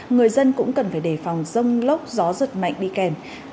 người dân cũng cần phải đề phòng rông lốc gió giật mạnh đi kèm